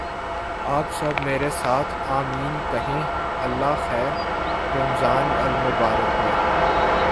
آپ سب میرے ساتھ "آمین" کہیں اللہ خیر! رمضان المبارک میں